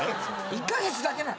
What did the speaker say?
１カ月だけなの？